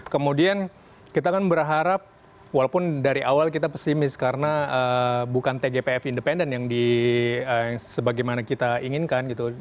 kemudian kita kan berharap walaupun dari awal kita pesimis karena bukan tgpf independen yang sebagaimana kita inginkan gitu